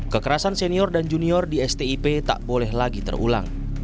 kekerasan senior dan junior di stip tak boleh lagi terulang